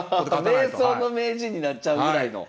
迷走の迷人になっちゃうぐらいの。